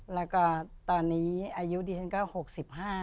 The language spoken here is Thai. แล้วก็ตอนนี้อายุดิฉันก็หกสิบห้า